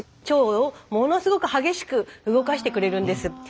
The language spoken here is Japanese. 腸をものすごく激しく動かしてくれるんです。